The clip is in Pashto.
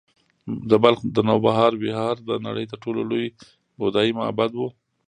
د بلخ د نوبهار ویهار د نړۍ تر ټولو لوی بودایي معبد و